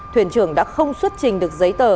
thuyền trưởng đã không xuất trình được giấy tờ